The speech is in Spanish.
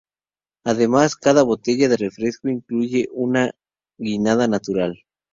Además, cada botella del refresco incluye una guinda natural.